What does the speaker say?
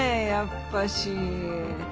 やっぱし。